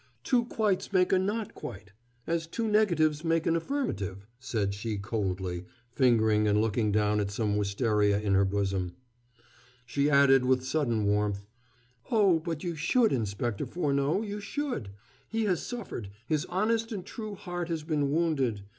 "Two 'quites' make a 'not quite,' as two negatives make an affirmative," said she coldly, fingering and looking down at some wistaria in her bosom. She added with sudden warmth: "Oh, but you should, Inspector Furneaux! You should. He has suffered; his honest and true heart has been wounded.